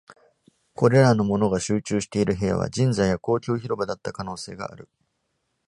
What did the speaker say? これらの物が集中している部屋は、神社や公共広場だった可能性がある。